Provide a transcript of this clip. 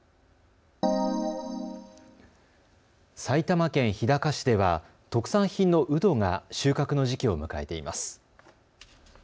埼玉県日高市では特産品のうどが収穫の時期を迎えています。